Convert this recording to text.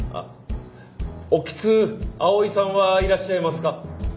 興津碧唯さんはいらっしゃいますか？